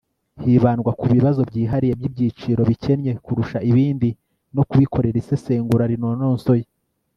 hibandwa ku bibazo byihariye by'ibyiciro bikennye kurusha ibindi no kubikorera isesengura rinononsoye